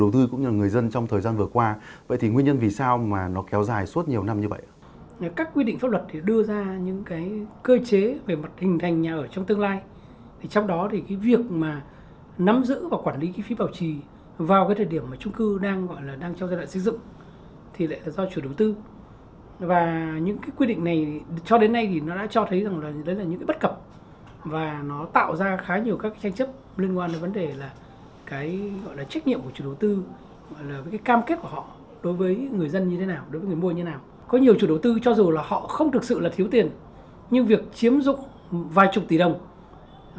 trong đó thì cái việc mà nắm giữ và quản lý kí phí bảo trì vào cái thời điểm mà chung cư đang gọi là đang trong giai đoạn xây dựng thì lại là do chủ đầu tư và những cái quy định này cho đến nay thì nó đã cho thấy rằng là đấy là những cái bất cập và nó tạo ra khá nhiều các tranh chấp liên quan đến vấn đề là cái gọi là trách nhiệm của chủ đầu tư gọi là cái cam kết của họ đối với người dân như thế nào đối với người mua như thế nào có nhiều chủ đầu tư cho dù là họ không thực sự là thiếu tiền nhưng việc chiếm dụng vài chục tỷ đồng đối với người dân như thế nào đối với người mua như thế nào có nhiều chủ đầu tư cho dù là